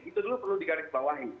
itu dulu perlu digarisbawahi